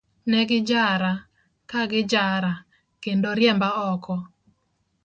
Ne gijara, ka gijara, kendo riemba oko.